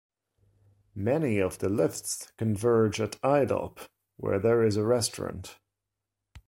Many of the lifts converge at Idalp, where there is a restaurant.